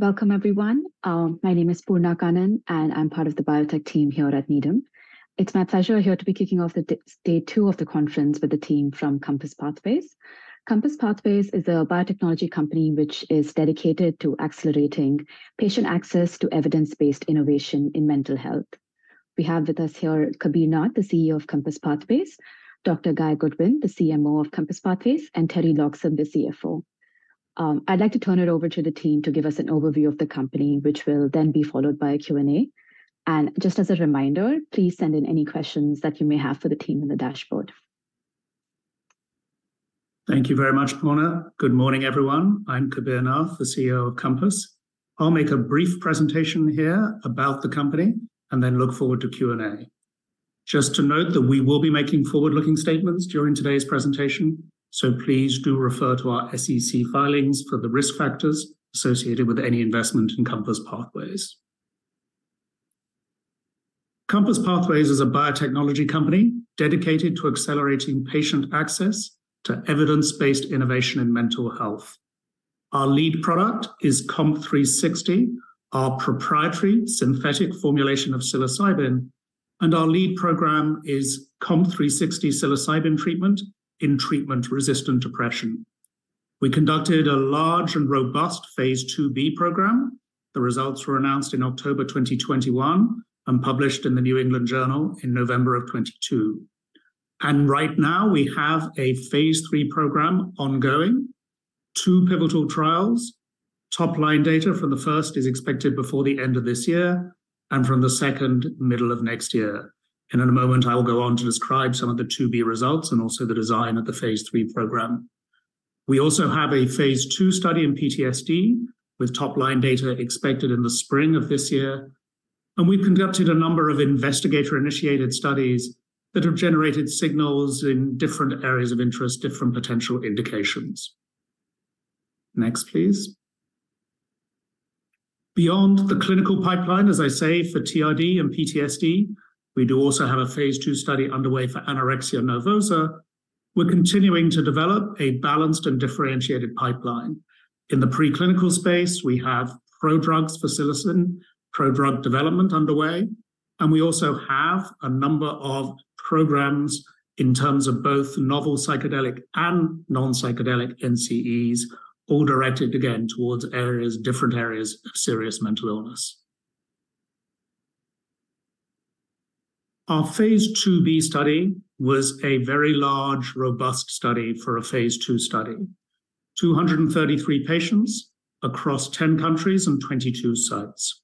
Welcome, everyone. My name is Poorna Kannan, and I'm part of the biotech team here at Needham. It's my pleasure here to be kicking off the day two of the conference with the team from Compass Pathways. Compass Pathways is a biotechnology company which is dedicated to accelerating patient access to evidence-based innovation in mental health. We have with us here Kabir Nath, the CEO of Compass Pathways, Dr. Guy Goodwin, the CMO of Compass Pathways, and Teri Loxam, the CFO. I'd like to turn it over to the team to give us an overview of the company, which will then be followed by a Q&A. Just as a reminder, please send in any questions that you may have for the team in the dashboard. Thank you very much, Poorna. Good morning, everyone. I'm Kabir Nath, the CEO of Compass. I'll make a brief presentation here about the company, and then look forward to Q&A. Just to note that we will be making forward-looking statements during today's presentation, so please do refer to our SEC filings for the risk factors associated with any investment in Compass Pathways. Compass Pathways is a biotechnology company dedicated to accelerating patient access to evidence-based innovation in mental health. Our lead product is COMP360, our proprietary synthetic formulation of psilocybin, and our lead program is COMP360 psilocybin treatment in treatment-resistant depression. We conducted a large and robust phase IIb program. The results were announced in October 2021 and published in the New England Journal in November 2022. Right now, we have a phase III program ongoing, two pivotal trials. Top-line data from the first is expected before the end of this year, and from the second, middle of next year. In a moment, I will go on to describe some of the IIb results and also the design of the phase III program. We also have a phase II study in PTSD, with top-line data expected in the spring of this year, and we've conducted a number of investigator-initiated studies that have generated signals in different areas of interest, different potential indications. Next, please. Beyond the clinical pipeline, as I say, for TRD and PTSD, we do also have a phase II study underway for anorexia nervosa. We're continuing to develop a balanced and differentiated pipeline. In the preclinical space, we have prodrugs for psilocybin, prodrug development underway, and we also have a number of programs in terms of both novel psychedelic and non-psychedelic NCEs, all directed again towards areas, different areas of serious mental illness. Our phase IIb study was a very large, robust study for a phase II study. 233 patients across 10 countries and 22 sites.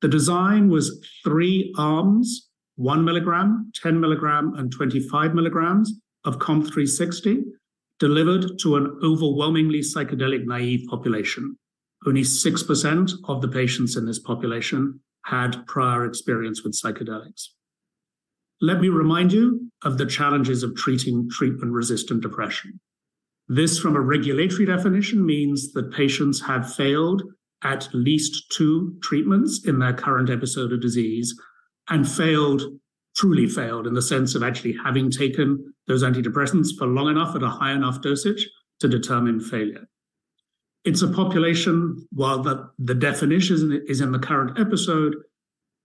The design was three arms, 1 milligram, 10 milligram, and 25 milligrams of COMP360, delivered to an overwhelmingly psychedelic-naive population. Only 6% of the patients in this population had prior experience with psychedelics. Let me remind you of the challenges of treating treatment-resistant depression. This, from a regulatory definition, means that patients have failed at least two treatments in their current episode of disease, and failed, truly failed, in the sense of actually having taken those antidepressants for long enough at a high enough dosage to determine failure. It's a population, while the definition is in the current episode,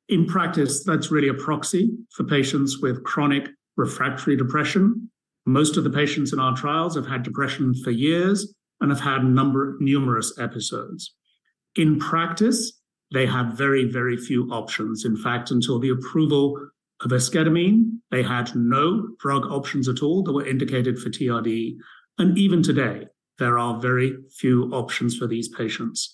in practice, that's really a proxy for patients with chronic refractory depression. Most of the patients in our trials have had depression for years and have had numerous episodes. In practice, they have very, very few options. In fact, until the approval of esketamine, they had no drug options at all that were indicated for TRD, and even today, there are very few options for these patients,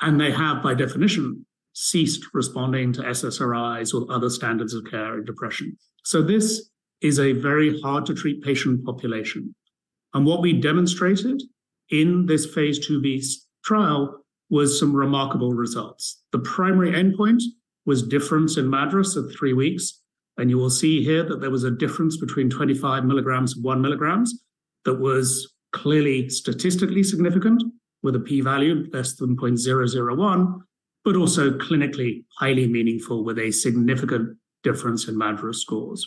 and they have, by definition, ceased responding to SSRIs or other standards of care in depression. So this is a very hard-to-treat patient population, and what we demonstrated in this phase IIb trial was some remarkable results. The primary endpoint was difference in MADRS at three weeks, and you will see here that there was a difference between 25 milligrams and 1 milligram that was clearly statistically significant, with a P value less than 0.001, but also clinically highly meaningful, with a significant difference in MADRS scores.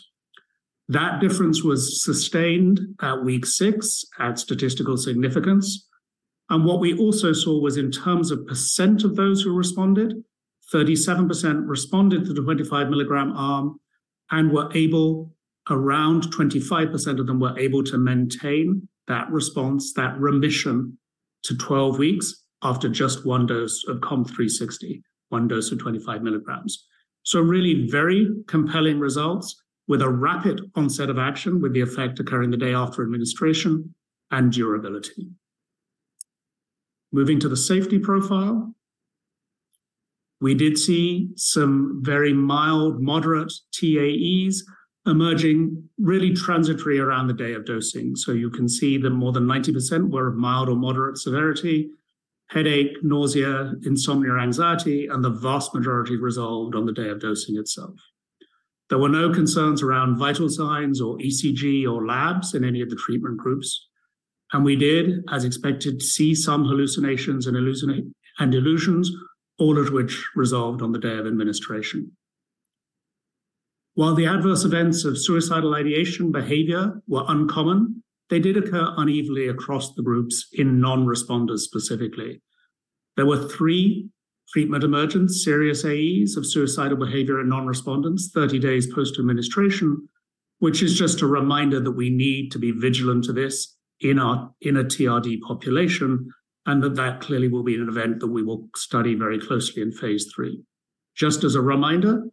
That difference was sustained at week six at statistical significance, and what we also saw was, in terms of percent of those who responded, 37% responded to the 25 milligram arm and were able... Around 25% of them were able to maintain that response, that remission, to 12 weeks after just one dose of COMP360, one dose of 25 milligrams. So really very compelling results, with a rapid onset of action, with the effect occurring the day after administration, and durability. Moving to the safety profile, we did see some very mild, moderate TEAEs emerging really transitory around the day of dosing. So you can see that more than 90% were of mild or moderate severity, headache, nausea, insomnia, or anxiety, and the vast majority resolved on the day of dosing itself. There were no concerns around vital signs or ECG or labs in any of the treatment groups, and we did, as expected, see some hallucinations and illusions, all of which resolved on the day of administration. While the adverse events of suicidal ideation behavior were uncommon, they did occur unevenly across the groups in non-responders specifically. There were three treatment-emergent serious AEs of suicidal behavior in non-responders 30 days post-administration, which is just a reminder that we need to be vigilant to this in our, in a TRD population, and that that clearly will be an event that we will study very closely in phase III. Just as a reminder,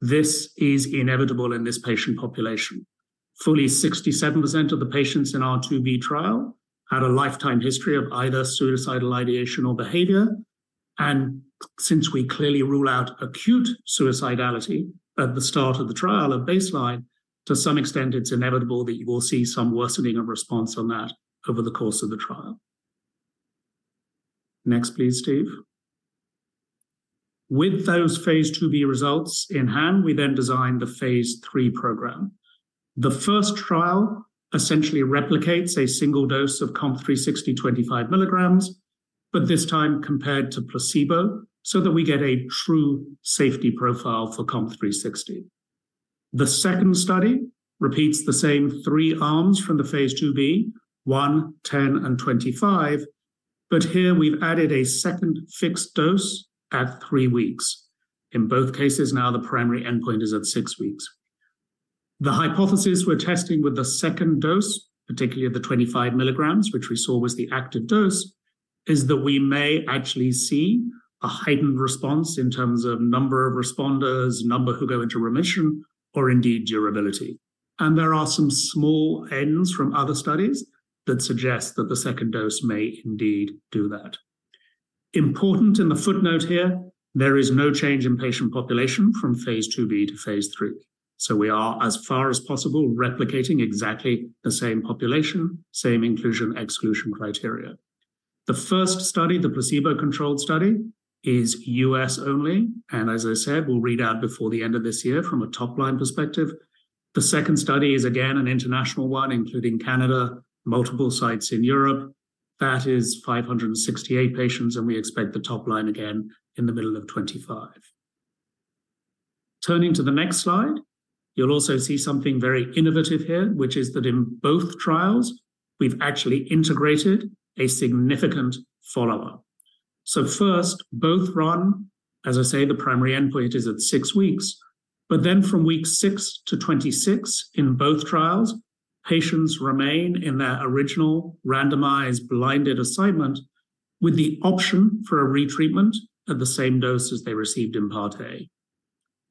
this is inevitable in this patient population. Fully 67% of the patients in our IIb trial had a lifetime history of either suicidal ideation or behavior, and since we clearly rule out acute suicidality at the start of the trial, at baseline, to some extent, it's inevitable that you will see some worsening of response on that over the course of the trial. Next, please, Steve. With those phase IIb results in hand, we then designed the phase III program. The first trial essentially replicates a single dose of COMP360 25 milligrams, but this time compared to placebo, so that we get a true safety profile for COMP360. The second study repeats the same three arms from the phase IIb, 1, 10, and 25, but here we've added a second fixed dose at three weeks. In both cases, now the primary endpoint is at six weeks. The hypothesis we're testing with the second dose, particularly the 25 milligrams, which we saw was the active dose, is that we may actually see a heightened response in terms of number of responders, number who go into remission, or indeed, durability. And there are some small n's from other studies that suggest that the second dose may indeed do that. Important in the footnote here, there is no change in patient population from phase IIb to phase III. So we are, as far as possible, replicating exactly the same population, same inclusion, exclusion criteria. The first study, the placebo-controlled study, is U.S. only, and as I said, we'll read out before the end of this year from a top-line perspective. The second study is, again, an international one, including Canada, multiple sites in Europe. That is 568 patients, and we expect the top line again in the middle of 2025. Turning to the next slide, you'll also see something very innovative here, which is that in both trials, we've actually integrated a significant follow-up. So first, both run, as I say, the primary endpoint is at six weeks, but then from week six to 26, in both trials, patients remain in their original randomized, blinded assignment with the option for a retreatment at the same dose as they received in part A.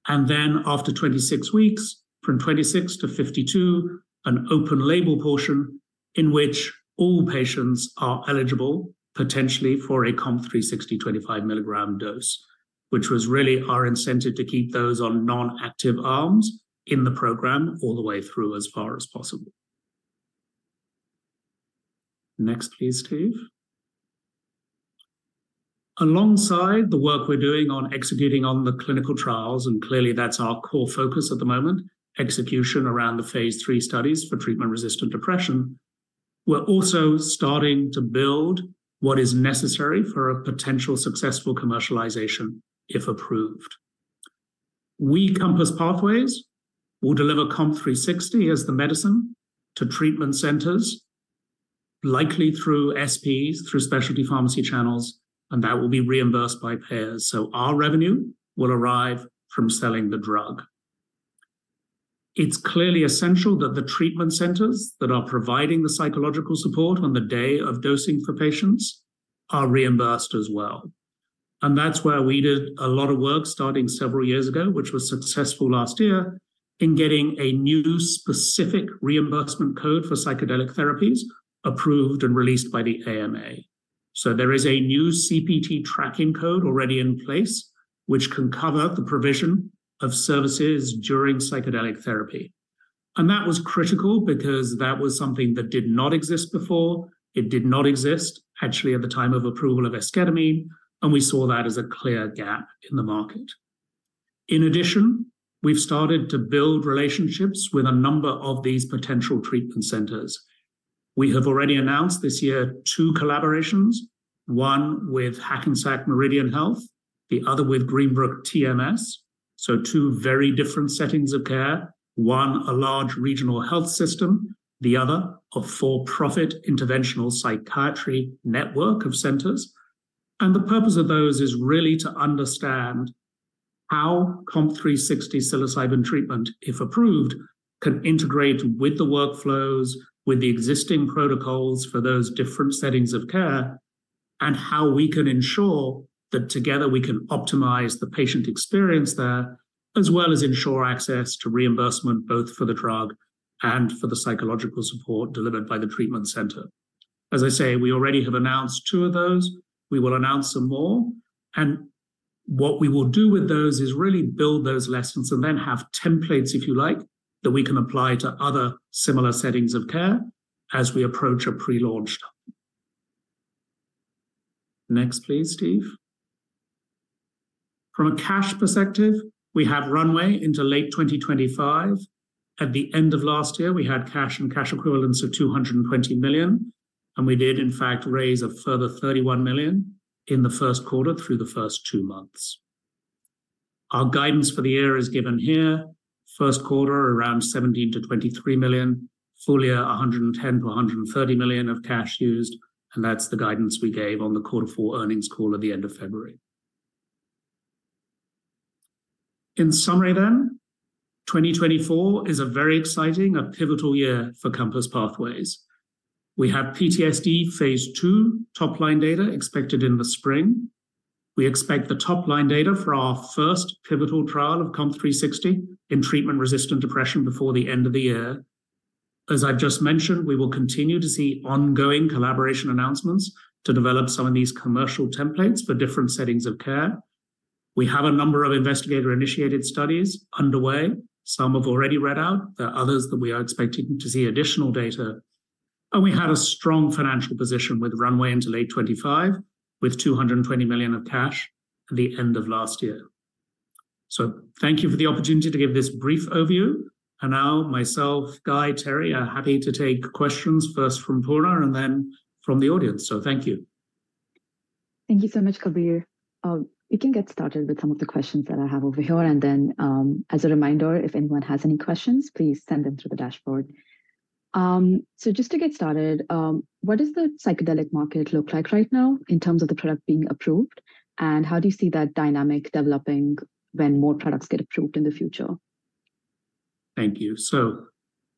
And then after 26 weeks, from 26 to 52, an open label portion in which all patients are eligible, potentially for a COMP360 25 milligram dose, which was really our incentive to keep those on non-active arms in the program all the way through as far as possible. Next, please, Steve. Alongside the work we're doing on executing on the clinical trials, and clearly that's our core focus at the moment, execution around the phase III studies for treatment-resistant depression, we're also starting to build what is necessary for a potential successful commercialization, if approved. We, Compass Pathways, will deliver COMP360 as the medicine to treatment centers, likely through SPs, through specialty pharmacy channels, and that will be reimbursed by payers. So our revenue will arrive from selling the drug. It's clearly essential that the treatment centers that are providing the psychological support on the day of dosing for patients are reimbursed as well. And that's where we did a lot of work starting several years ago, which was successful last year, in getting a new specific reimbursement code for psychedelic therapies approved and released by the AMA. So there is a new CPT tracking code already in place, which can cover the provision of services during psychedelic therapy. And that was critical because that was something that did not exist before. It did not exist, actually, at the time of approval of esketamine, and we saw that as a clear gap in the market. In addition, we've started to build relationships with a number of these potential treatment centers. We have already announced this year two collaborations, one with Hackensack Meridian Health, the other with Greenbrook TMS. So two very different settings of care, one, a large regional health system, the other, a for-profit interventional psychiatry network of centers. And the purpose of those is really to understand how COMP360 psilocybin treatment, if approved, can integrate with the workflows, with the existing protocols for those different settings of care, and how we can ensure that together, we can optimize the patient experience there, as well as ensure access to reimbursement, both for the drug and for the psychological support delivered by the treatment center. As I say, we already have announced two of those. We will announce some more, and what we will do with those is really build those lessons and then have templates, if you like, that we can apply to other similar settings of care as we approach a pre-launch time. Next, please, Steve. From a cash perspective, we have runway into late 2025. At the end of last year, we had cash and cash equivalents of $220 million, and we did, in fact, raise a further $31 million in the first quarter through the first two months. Our guidance for the year is given here. First quarter, around $17 million-$23 million. Full year, $110 million-$130 million of cash used, and that's the guidance we gave on the Quarter Four earnings call at the end of February. In summary then, 2024 is a very exciting, a pivotal year for Compass Pathways. We have PTSD phase II top-line data expected in the spring. We expect the top-line data for our first pivotal trial of COMP360 in treatment-resistant depression before the end of the year. As I've just mentioned, we will continue to see ongoing collaboration announcements to develop some of these commercial templates for different settings of care. We have a number of investigator-initiated studies underway. Some have already read out. There are others that we are expecting to see additional data. And we had a strong financial position with runway into late 2025, with $220 million of cash at the end of last year. So thank you for the opportunity to give this brief overview, and now myself, Guy, Teri, are happy to take questions, first from Poorna, and then from the audience. Thank you. Thank you so much, Kabir. We can get started with some of the questions that I have over here, and then, as a reminder, if anyone has any questions, please send them through the dashboard. Just to get started, what does the psychedelic market look like right now in terms of the product being approved, and how do you see that dynamic developing when more products get approved in the future? Thank you. So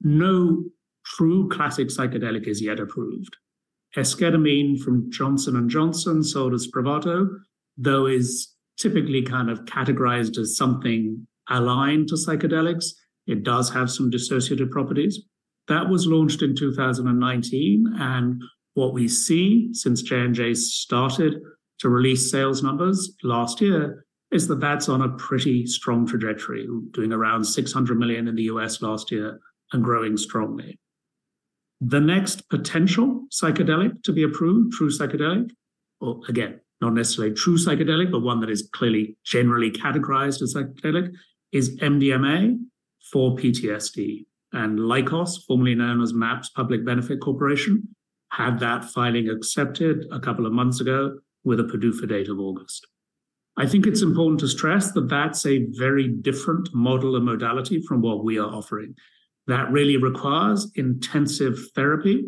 no true classic psychedelic is yet approved. Esketamine from Johnson & Johnson, sold as Spravato, though is typically kind of categorized as something aligned to psychedelics, it does have some dissociative properties. That was launched in 2019, and what we've seen since J&J started to release sales numbers last year, is that that's on a pretty strong trajectory, doing around $600 million in the US last year and growing strongly. The next potential psychedelic to be approved, true psychedelic... Well, again, not necessarily a true psychedelic, but one that is clearly generally categorized as psychedelic, is MDMA for PTSD. And Lykos, formerly known as MAPS Public Benefit Corporation, had that filing accepted a couple of months ago with a PDUFA date of August. I think it's important to stress that that's a very different model and modality from what we are offering. That really requires intensive therapy.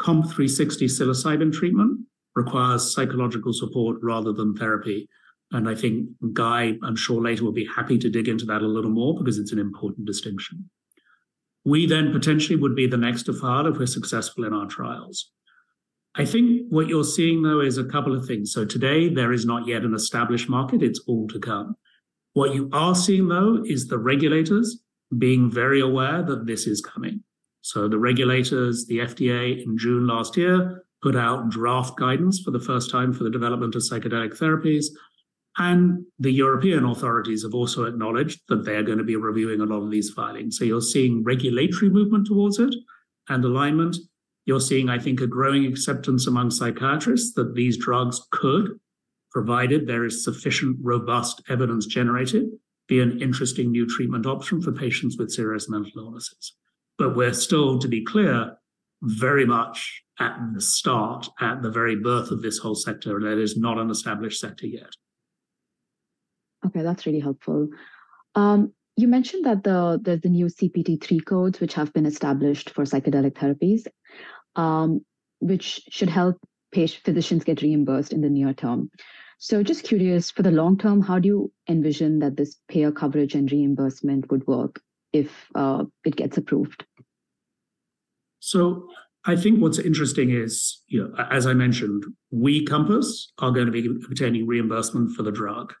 COMP360 psilocybin treatment requires psychological support rather than therapy, and I think Guy, I'm sure, later will be happy to dig into that a little more, because it's an important distinction. We then potentially would be the next to file if we're successful in our trials. I think what you're seeing, though, is a couple of things. Today, there is not yet an established market. It's all to come. What you are seeing, though, is the regulators being very aware that this is coming. The regulators, the FDA, in June last year, put out draft guidance for the first time for the development of psychedelic therapies, and the European authorities have also acknowledged that they're gonna be reviewing a lot of these filings. You're seeing regulatory movement towards it and alignment. You're seeing, I think, a growing acceptance among psychiatrists that these drugs could, provided there is sufficient, robust evidence generated, be an interesting new treatment option for patients with serious mental illnesses. But we're still, to be clear, very much at the start, at the very birth of this whole sector, and it is not an established sector yet. Okay, that's really helpful. You mentioned that the new CPT III codes, which have been established for psychedelic therapies, which should help physicians get reimbursed in the near term. So just curious, for the long term, how do you envision that this payer coverage and reimbursement would work if it gets approved? I think what's interesting is, you know, as I mentioned, we, Compass, are gonna be obtaining reimbursement for the drug,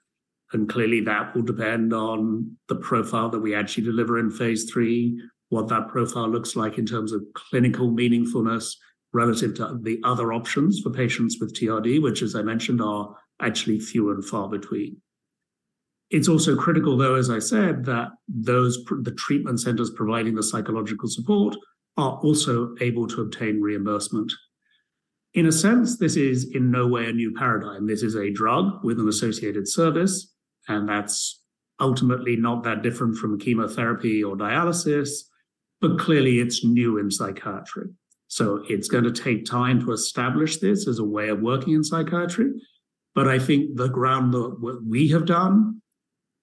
and clearly, that will depend on the profile that we actually deliver in phase III, what that profile looks like in terms of clinical meaningfulness relative to the other options for patients with TRD, which, as I mentioned, are actually few and far between. It's also critical, though, as I said, that the treatment centers providing the psychological support are also able to obtain reimbursement. In a sense, this is in no way a new paradigm. This is a drug with an associated service, and that's ultimately not that different from chemotherapy or dialysis, but clearly, it's new in psychiatry. So it's gonna take time to establish this as a way of working in psychiatry, but I think the groundwork, what we have done,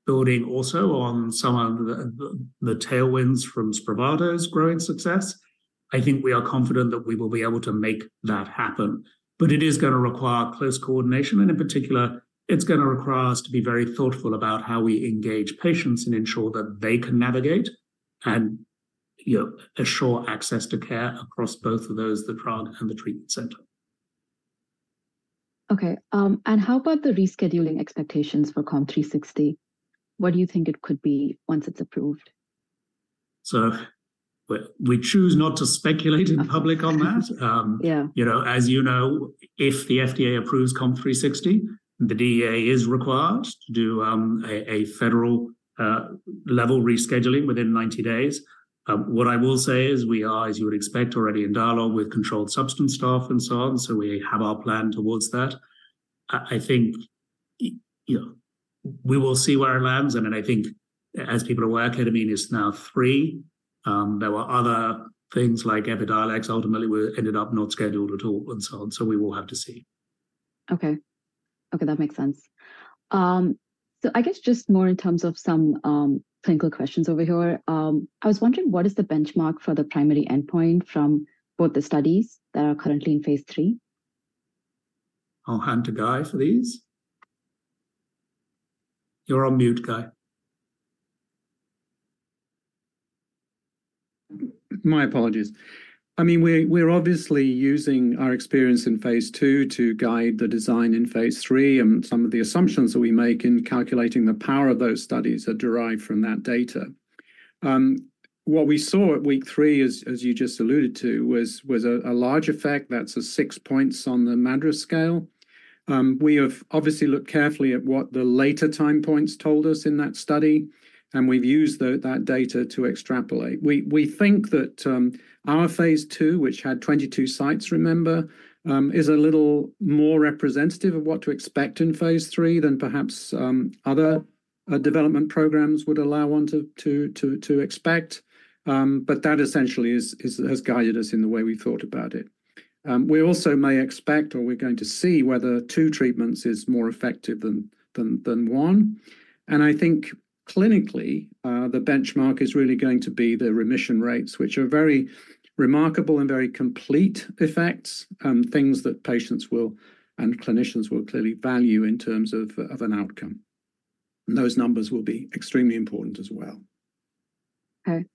building also on some of the tailwinds from Spravato's growing success, I think we are confident that we will be able to make that happen. But it is gonna require close coordination, and in particular, it's gonna require us to be very thoughtful about how we engage patients and ensure that they can navigate, and, you know, assure access to care across both of those, the drug and the treatment center. Okay, and how about the rescheduling expectations for COMP360? What do you think it could be once it's approved? We choose not to speculate in public on that. Yeah. You know, as you know, if the FDA approves COMP360, the DEA is required to do a federal level rescheduling within 90 days. What I will say is we are, as you would expect, already in dialogue with controlled substance staff and so on, so we have our plan towards that. You know, we will see where it lands, and then I think as people are aware, ketamine is now free. There were other things like Epidiolex ultimately were ended up not scheduled at all, and so on. So we will have to see. Okay. Okay, that makes sense. So I guess just more in terms of some clinical questions over here. I was wondering, what is the benchmark for the primary endpoint from both the studies that are currently in phase III? I'll hand to Guy for these. You're on mute, Guy. My apologies. I mean, we're obviously using our experience in phase II to guide the design in phase III, and some of the assumptions that we make in calculating the power of those studies are derived from that data. What we saw at week three, as you just alluded to, was a large effect that's six points on the MADRS scale. We have obviously looked carefully at what the later time points told us in that study, and we've used that data to extrapolate. We think that our phase II, which had 22 sites, remember, is a little more representative of what to expect in phase III than perhaps other development programs would allow one to expect. But that essentially is has guided us in the way we thought about it. We also may expect, or we're going to see whether two treatments is more effective than one. And I think clinically, the benchmark is really going to be the remission rates, which are very remarkable and very complete effects, things that patients will, and clinicians will clearly value in terms of an outcome. And those numbers will be extremely important as well. Okay.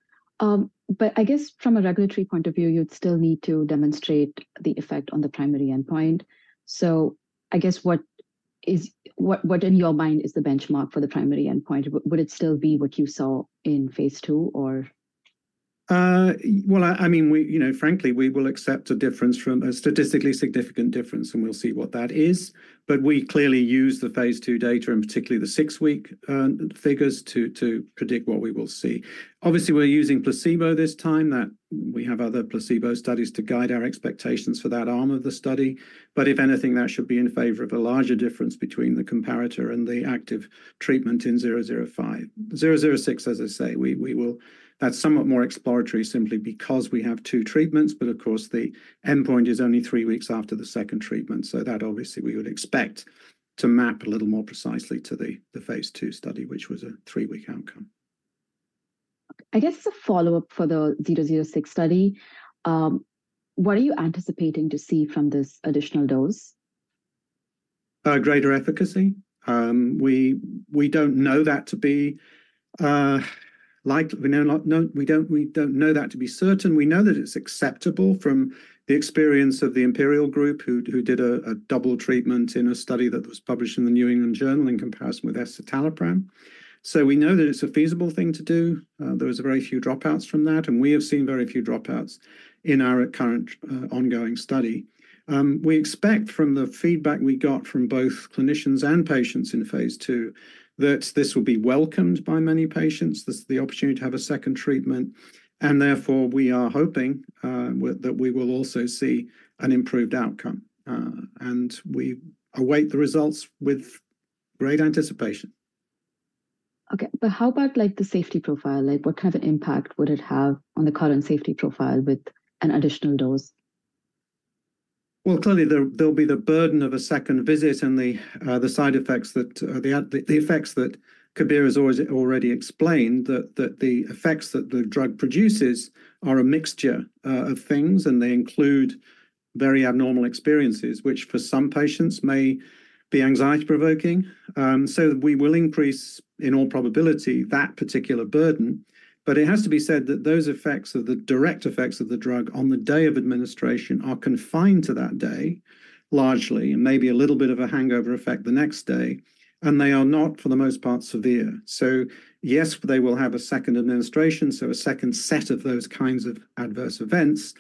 But I guess from a regulatory point of view, you'd still need to demonstrate the effect on the primary endpoint. So I guess what is... what, what in your mind is the benchmark for the primary endpoint? Would it still be what you saw in Phase II or? Well, I mean, we, you know, frankly, we will accept a difference from a statistically significant difference, and we'll see what that is, but we clearly use the phase II data, and particularly the sixweek figures to predict what we will see. Obviously, we're using placebo this time, that we have other placebo studies to guide our expectations for that arm of the study. But if anything, that should be in favor of a larger difference between the comparator and the active treatment in 005. 006, as I say, we will—that's somewhat more exploratory simply because we have two treatments, but of course, the endpoint is only three weeks after the second treatment. So that obviously we would expect to map a little more precisely to the phase II study, which was a three week outcome. I guess a follow-up for the 006 study. What are you anticipating to see from this additional dose? A greater efficacy. We don't know that to be certain. We know that it's acceptable from the experience of the Imperial group, who did a double treatment in a study that was published in the New England Journal in comparison with escitalopram. So we know that it's a feasible thing to do. There was very few dropouts from that, and we have seen very few dropouts in our current ongoing study. We expect from the feedback we got from both clinicians and patients in phase II that this will be welcomed by many patients, the opportunity to have a second treatment, and therefore, we are hoping that we will also see an improved outcome. And we await the results with great anticipation. Okay, but how about, like, the safety profile? Like, what kind of impact would it have on the current safety profile with an additional dose? Well, clearly, there'll be the burden of a second visit and the side effects that the effects that Kabir has already explained, that the effects that the drug produces are a mixture of things, and they include very abnormal experiences, which for some patients may be anxiety-provoking. So we will increase, in all probability, that particular burden. But it has to be said that those effects are the direct effects of the drug on the day of administration, are confined to that day, largely, and maybe a little bit of a hangover effect the next day, and they are not, for the most part, severe. So yes, they will have a second administration, so a second set of those kinds of adverse events.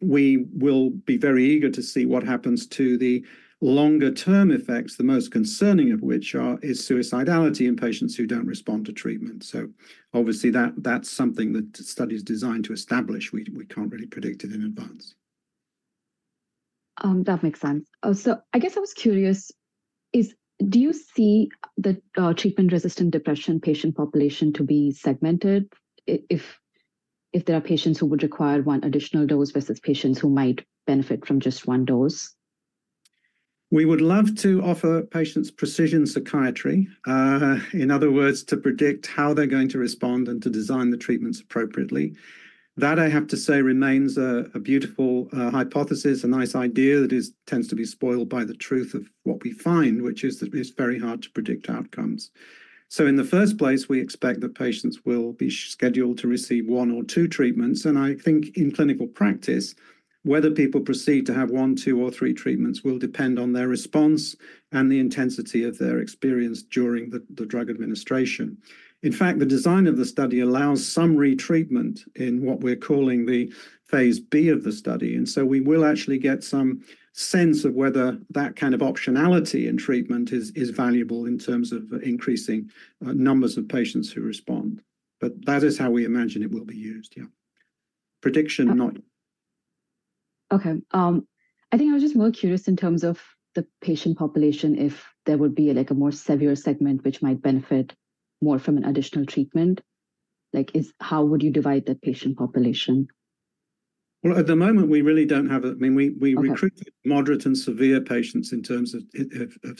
We will be very eager to see what happens to the longer-term effects, the most concerning of which is suicidality in patients who don't respond to treatment. So obviously, that's something the study is designed to establish. We can't really predict it in advance. That makes sense. So I guess I was curious, is do you see the treatment-resistant depression patient population to be segmented, if there are patients who would require one additional dose versus patients who might benefit from just one dose? We would love to offer patients precision psychiatry. In other words, to predict how they're going to respond and to design the treatments appropriately. That, I have to say, remains a beautiful hypothesis, a nice idea that tends to be spoiled by the truth of what we find, which is that it's very hard to predict outcomes. So in the first place, we expect that patients will be scheduled to receive one or two treatments, and I think in clinical practice, whether people proceed to have one, two, or three treatments will depend on their response and the intensity of their experience during the drug administration. In fact, the design of the study allows some retreatment in what we're calling the phase B of the study, and so we will actually get some sense of whether that kind of optionality in treatment is valuable in terms of increasing numbers of patients who respond. But that is how we imagine it will be used, yeah. Prediction, not-... Okay. I think I was just more curious in terms of the patient population, if there would be, like, a more severe segment which might benefit more from an additional treatment. Like, is how would you divide that patient population? Well, at the moment, we really don't have a-- I mean, we- Okay ...recruited moderate and severe patients in terms of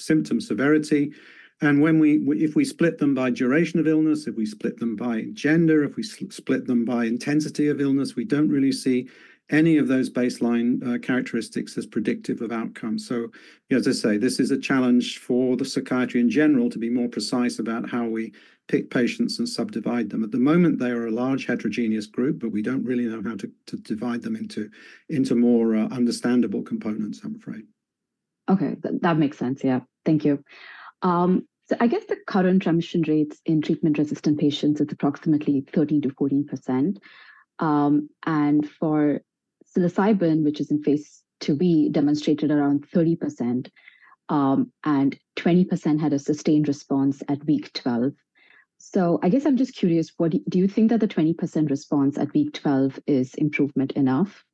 symptom severity. And if we split them by duration of illness, if we split them by gender, if we split them by intensity of illness, we don't really see any of those baseline characteristics as predictive of outcome. So, you know, as I say, this is a challenge for the psychiatry in general, to be more precise about how we pick patients and subdivide them. At the moment, they are a large, heterogeneous group, but we don't really know how to divide them into more understandable components, I'm afraid. Okay. That, that makes sense. Yeah. Thank you. So I guess the current remission rates in treatment-resistant patients is approximately 13%-14%. And for psilocybin, which is in phase IIb, demonstrated around 30%, and 20% had a sustained response at week 12. So I guess I'm just curious, what do you think that the 20% response at week 12 is improvement enough?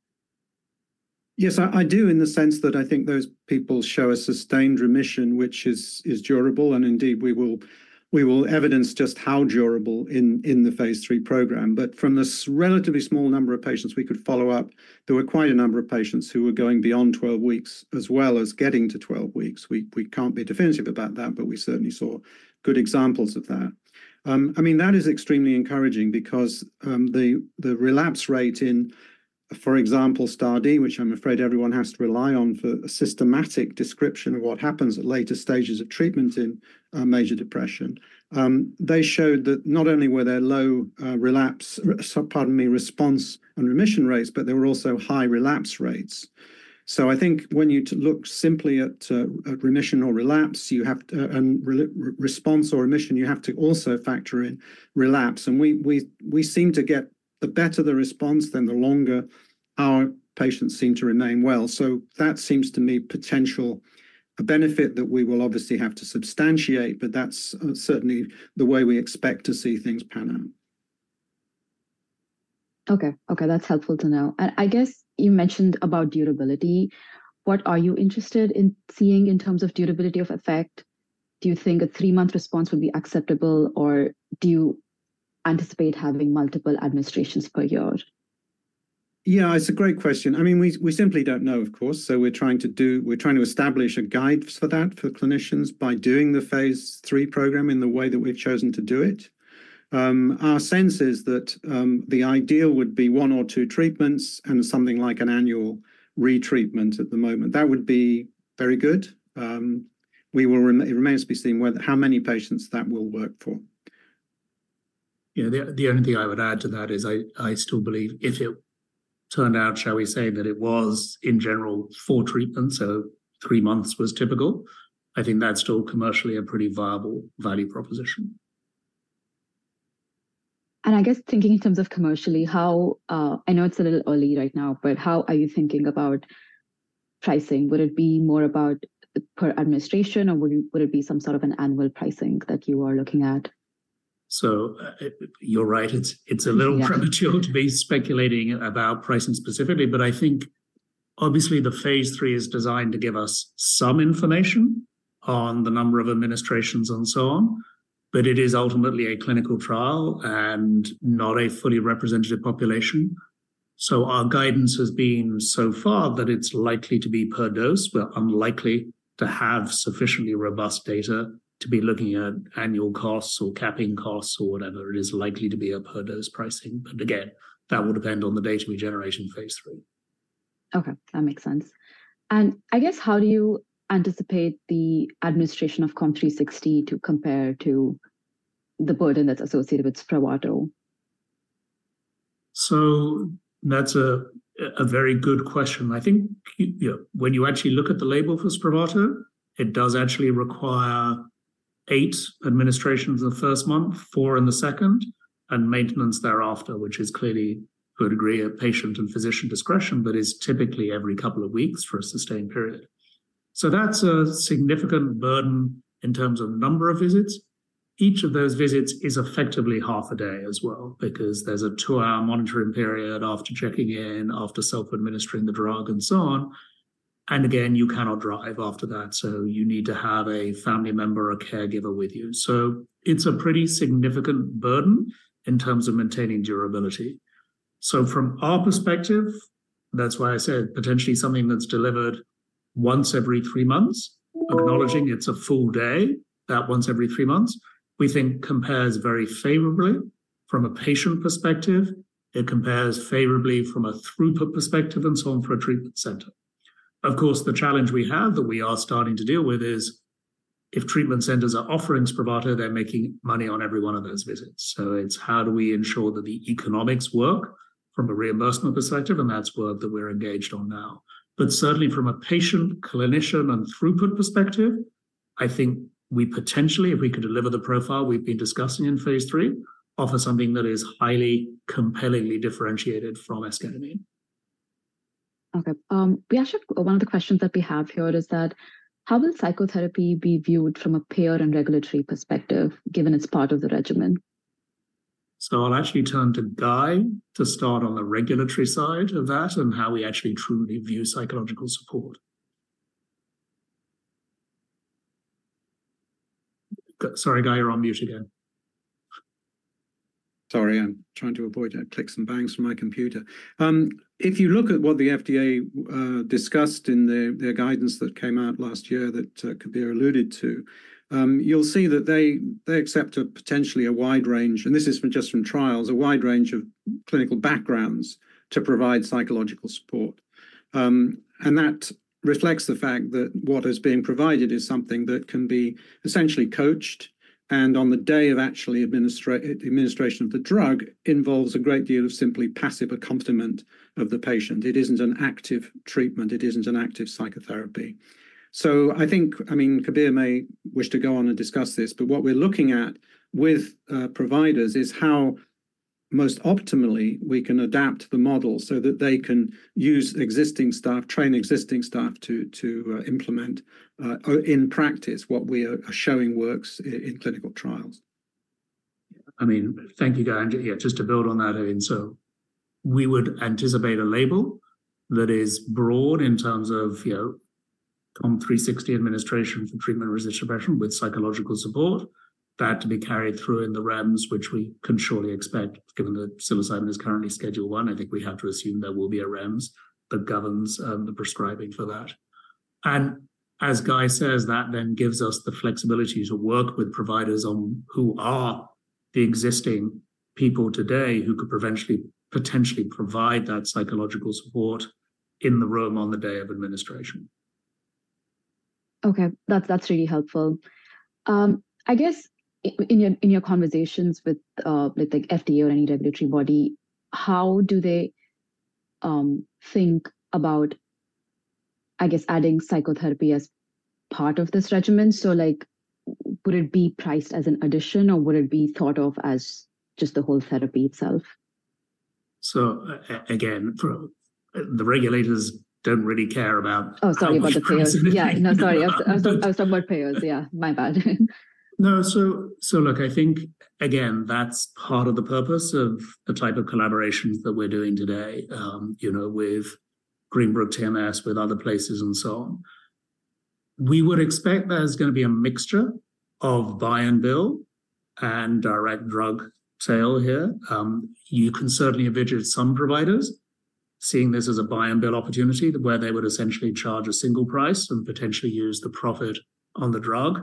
Yes, I do, in the sense that I think those people show a sustained remission, which is durable, and indeed, we will evidence just how durable in the phase III program. But from the relatively small number of patients we could follow up, there were quite a number of patients who were going beyond 12 weeks, as well as getting to 12 weeks. We can't be definitive about that, but we certainly saw good examples of that. I mean, that is extremely encouraging because the relapse rate in, for example, STAR*D, which I'm afraid everyone has to rely on for a systematic description of what happens at later stages of treatment in major depression. They showed that not only were there low relapse, pardon me, response and remission rates, but there were also high relapse rates. So I think when you look simply at remission or relapse, you have to and response or remission, you have to also factor in relapse, and we seem to get the better the response, then the longer our patients seem to remain well. So that seems to me potential, a benefit that we will obviously have to substantiate, but that's certainly the way we expect to see things pan out. Okay. Okay, that's helpful to know. I guess you mentioned about durability. What are you interested in seeing in terms of durability of effect? Do you think a three-month response would be acceptable, or do you anticipate having multiple administrations per year? Yeah, it's a great question. I mean, we simply don't know, of course, so we're trying to establish a guide for that, for clinicians, by doing the phase three program in the way that we've chosen to do it. Our sense is that the ideal would be one or two treatments and something like an annual retreatment at the moment. That would be very good. It remains to be seen whether how many patients that will work for. You know, the only thing I would add to that is I still believe if it turned out, shall we say, that it was, in general, four treatments, so three months was typical, I think that's still commercially a pretty viable value proposition. I guess thinking in terms of commercially, how I know it's a little early right now, but how are you thinking about pricing? Would it be more about per administration, or would it be some sort of an annual pricing that you are looking at? You're right. It's, it's a little- Yeah... premature to be speculating about pricing specifically, but I think obviously the phase III is designed to give us some information on the number of administrations and so on. But it is ultimately a clinical trial and not a fully representative population. So our guidance has been so far that it's likely to be per dose. We're unlikely to have sufficiently robust data to be looking at annual costs or capping costs or whatever. It is likely to be a per-dose pricing, but again, that will depend on the data we generate in phase III. Okay, that makes sense. I guess, how do you anticipate the administration of COMP360 to compare to the burden that's associated with Spravato? So that's a very good question. I think, you know, when you actually look at the label for Spravato, it does actually require eigth administrations in the first month, four in the second, and maintenance thereafter, which is clearly, to a degree, a patient and physician discretion, but is typically every couple of weeks for a sustained period. So that's a significant burden in terms of number of visits. Each of those visits is effectively half a day as well, because there's a two hour monitoring period after checking in, after self-administering the drug, and so on. And again, you cannot drive after that, so you need to have a family member or caregiver with you. So it's a pretty significant burden in terms of maintaining durability. So from our perspective, that's why I said potentially something that's delivered once every three months, acknowledging it's a full day, that once every three months, we think compares very favorably from a patient perspective. It compares favorably from a throughput perspective and so on, for a treatment center. Of course, the challenge we have that we are starting to deal with is if treatment centers are offering Spravato, they're making money on every one of those visits. So it's how do we ensure that the economics work from a reimbursement perspective, and that's work that we're engaged on now. But certainly, from a patient, clinician, and throughput perspective, I think we potentially, if we can deliver the profile we've been discussing in phase three, offer something that is highly, compellingly differentiated from esketamine. Okay. We actually... One of the questions that we have here is that, how will psychotherapy be viewed from a payer and regulatory perspective, given it's part of the regimen?... So I'll actually turn to Guy to start on the regulatory side of that and how we actually truly view psychological support. Sorry, Guy, you're on mute again. Sorry, I'm trying to avoid clicks and bangs from my computer. If you look at what the FDA discussed in their guidance that came out last year that Kabir alluded to, you'll see that they accept potentially a wide range, and this is from trials, a wide range of clinical backgrounds to provide psychological support. And that reflects the fact that what is being provided is something that can be essentially coached, and on the day of the administration of the drug, involves a great deal of simply passive accompaniment of the patient. It isn't an active treatment; it isn't an active psychotherapy. So I think, I mean, Kabir may wish to go on and discuss this, but what we're looking at with providers is how most optimally we can adapt the model so that they can use existing staff, train existing staff to implement in practice what we are showing works in clinical trials. Yeah. I mean, thank you, Guy, and, yeah, just to build on that, I mean, so we would anticipate a label that is broad in terms of, you know, COMP360 administration for treatment-resistant depression with psychological support. That to be carried through in the REMS, which we can surely expect, given that psilocybin is currently Schedule I. I think we have to assume there will be a REMS that governs the prescribing for that. And as Guy says, that then gives us the flexibility to work with providers on who are the existing people today who could potentially provide that psychological support in the room on the day of administration. Okay, that's, that's really helpful. I guess in your, in your conversations with, with the FDA or any regulatory body, how do they think about, I guess, adding psychotherapy as part of this regimen? So, like, would it be priced as an addition, or would it be thought of as just the whole therapy itself? So, again, for the regulators, don't really care about- Oh, sorry, about the payers. How much it costs? Yeah, no, sorry. I was talking about payers. Yeah, my bad. No, so, so look, I think, again, that's part of the purpose of the type of collaborations that we're doing today, you know, with Greenbrook TMS, with other places, and so on. We would expect there's gonna be a mixture of buy and bill and direct drug sale here. You can certainly envision some providers seeing this as a buy and bill opportunity, where they would essentially charge a single price and potentially use the profit on the drug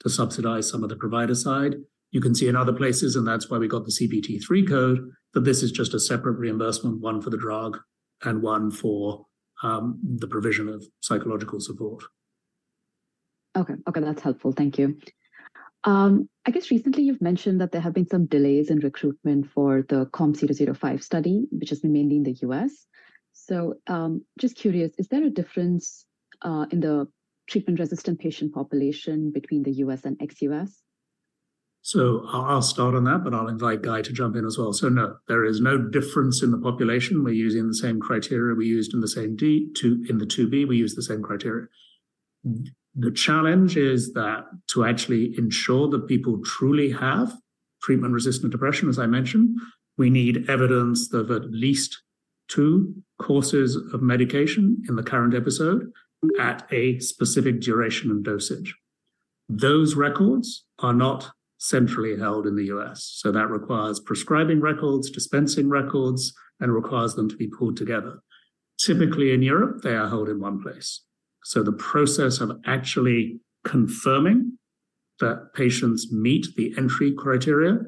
to subsidize some of the provider side. You can see in other places, and that's why we got the CPT III code, that this is just a separate reimbursement, one for the drug and one for the provision of psychological support. Okay. Okay, that's helpful. Thank you. I guess recently you've mentioned that there have been some delays in recruitment for the COMP005 study, which has been mainly in the US. So, just curious, is there a difference in the treatment-resistant patient population between the US and ex-US? So I'll, I'll start on that, but I'll invite Guy to jump in as well. So no, there is no difference in the population. We're using the same criteria we used in the phase IIb. The challenge is that to actually ensure that people truly have treatment-resistant depression, as I mentioned, we need evidence of at least two courses of medication in the current episode at a specific duration and dosage. Those records are not centrally held in the U.S., so that requires prescribing records, dispensing records, and requires them to be pulled together. Typically, in Europe, they are held in one place, so the process of actually confirming that patients meet the entry criteria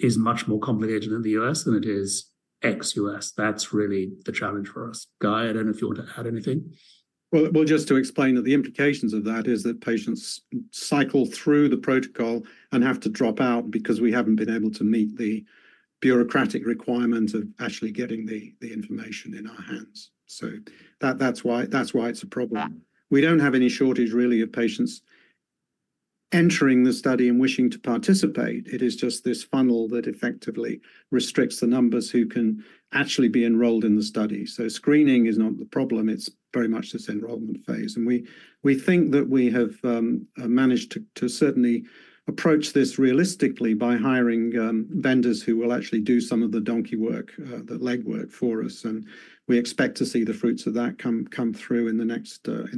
is much more complicated in the U.S. than it is ex-U.S. That's really the challenge for us. Guy, I don't know if you want to add anything. Well, just to explain that the implications of that is that patients cycle through the protocol and have to drop out because we haven't been able to meet the bureaucratic requirements of actually getting the information in our hands. So that, that's why it's a problem. We don't have any shortage, really, of patients entering the study and wishing to participate. It is just this funnel that effectively restricts the numbers who can actually be enrolled in the study. So screening is not the problem; it's very much this enrollment phase. And we think that we have managed to certainly approach this realistically by hiring vendors who will actually do some of the donkey work, the legwork for us, and we expect to see the fruits of that come through in the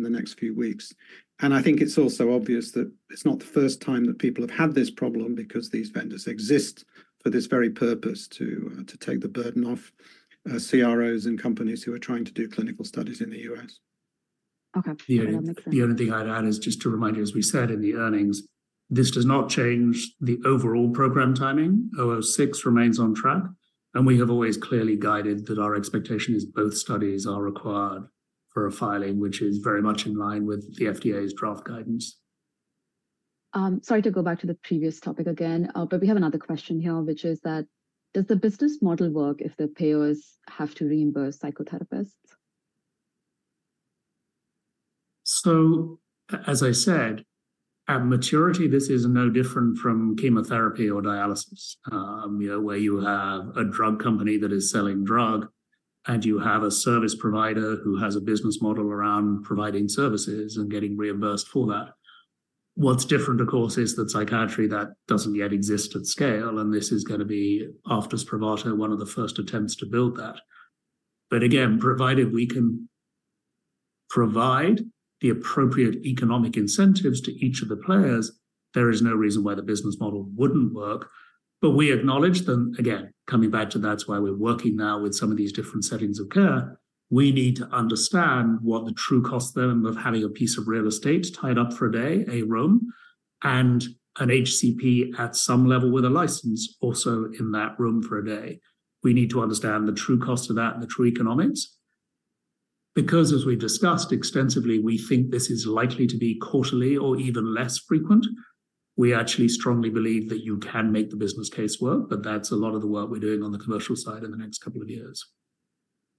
next few weeks. I think it's also obvious that it's not the first time that people have had this problem because these vendors exist for this very purpose, to take the burden off CROs and companies who are trying to do clinical studies in the U.S. Okay. Yeah, that makes sense. The only thing I'd add is just to remind you, as we said in the earnings, this does not change the overall program timing. 006 remains on track, and we have always clearly guided that our expectation is both studies are required for a filing, which is very much in line with the FDA's draft guidance. Sorry to go back to the previous topic again, but we have another question here, which is that: Does the business model work if the payers have to reimburse psychotherapists? So as I said, at maturity, this is no different from chemotherapy or dialysis, you know, where you have a drug company that is selling drug, and you have a service provider who has a business model around providing services and getting reimbursed for that. What's different, of course, is that psychiatry, that doesn't yet exist at scale, and this is gonna be, after Spravato, one of the first attempts to build that. But again, provided we can provide the appropriate economic incentives to each of the players, there is no reason why the business model wouldn't work. But we acknowledge that, again, coming back to that's why we're working now with some of these different settings of care, we need to understand what the true cost then of having a piece of real estate tied up for a day, a room, and an HCP at some level with a license also in that room for a day. We need to understand the true cost of that and the true economics. Because as we've discussed extensively, we think this is likely to be quarterly or even less frequent. We actually strongly believe that you can make the business case work, but that's a lot of the work we're doing on the commercial side in the next couple of years.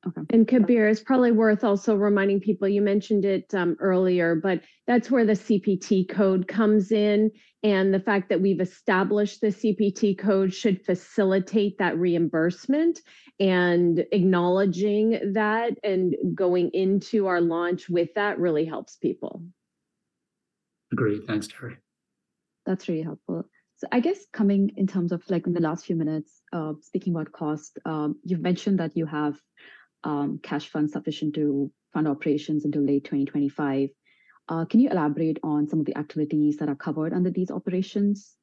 Okay. Kabir, it's probably worth also reminding people, you mentioned it earlier, but that's where the CPT code comes in, and the fact that we've established the CPT code should facilitate that reimbursement, and acknowledging that and going into our launch with that really helps people. Agreed. Thanks, Teri. That's really helpful. So I guess coming in terms of, like, in the last few minutes, speaking about cost, you've mentioned that you have cash funds sufficient to fund operations until late 2025. Can you elaborate on some of the activities that are covered under these operations?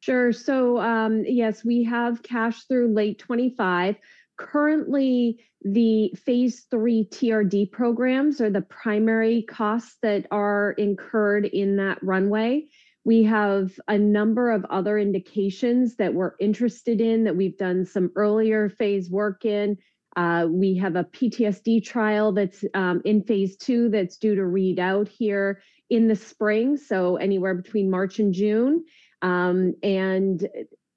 Sure. So, yes, we have cash through late 2025. Currently, the phase III TRD programs are the primary costs that are incurred in that runway. We have a number of other indications that we're interested in, that we've done some earlier phase work in. We have a PTSD trial that's in phase II, that's due to read out here in the spring, so anywhere between March and June. And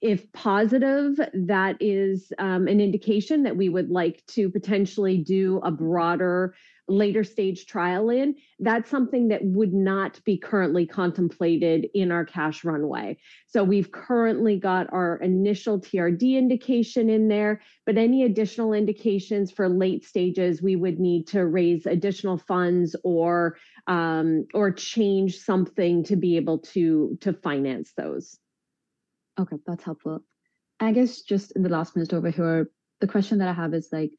if positive, that is an indication that we would like to potentially do a broader, later-stage trial in. That's something that would not be currently contemplated in our cash runway. So we've currently got our initial TRD indication in there, but any additional indications for late stages, we would need to raise additional funds or change something to be able to finance those. Okay. That's helpful. I guess just in the last minute over here, the question that I have is like,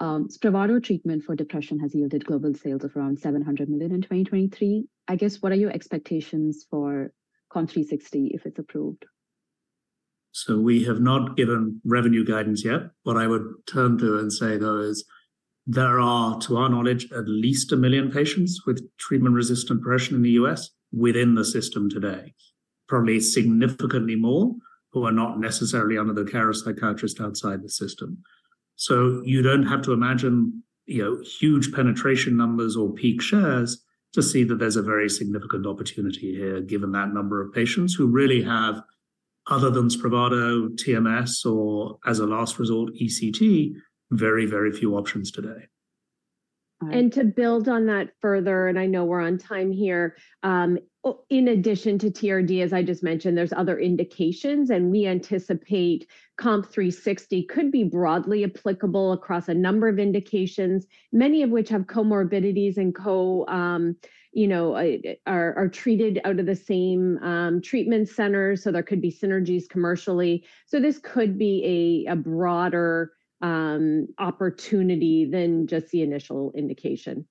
Spravato treatment for depression has yielded global sales of around $700 million in 2023. I guess, what are your expectations for COMP360 if it's approved? So we have not given revenue guidance yet. What I would turn to and say, though, is there are, to our knowledge, at least one million patients with treatment-resistant depression in the U.S. within the system today. Probably significantly more, who are not necessarily under the care of a psychiatrist outside the system. So you don't have to imagine, you know, huge penetration numbers or peak shares to see that there's a very significant opportunity here, given that number of patients who really have, other than Spravato, TMS, or as a last resort, ECT, very, very few options today. To build on that further, and I know we're on time here, in addition to TRD, as I just mentioned, there are other indications, and we anticipate COMP360 could be broadly applicable across a number of indications, many of which have comorbidities and co-, you know, are treated out of the same treatment center, so there could be synergies commercially. So this could be a broader opportunity than just the initial indication.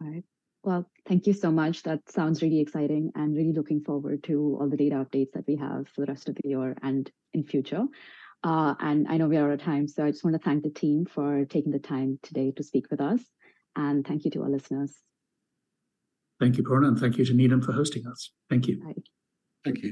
All right. Well, thank you so much. That sounds really exciting, and really looking forward to all the data updates that we have for the rest of the year and in future. And I know we are out of time, so I just wanna thank the team for taking the time today to speak with us. And thank you to our listeners. Thank you, Poorna, and thank you to Needham for hosting us. Thank you. Bye. Thank you.